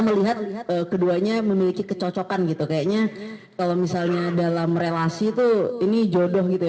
melihat keduanya memiliki kecocokan gitu kayaknya kalau misalnya dalam relasi tuh ini jodoh gitu ya